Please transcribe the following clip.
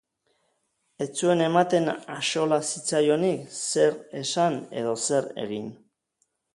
Ez zuen ematen axola zitzaionik zer esan edo zer egin.